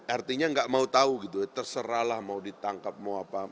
artinya nggak mau tahu gitu ya terserahlah mau ditangkap mau apa